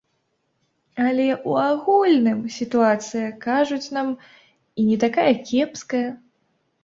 Але ў агульным сітуацыя, кажуць нам, і не такая кепская.